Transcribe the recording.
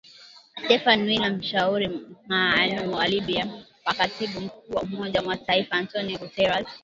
Stephanie Williams mshauri maalum kwa Libya wa katibu mkuu wa Umoja wa Mataifa Antonio Guterres